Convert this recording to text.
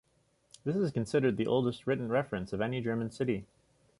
This is considered the oldest written reference of any German city.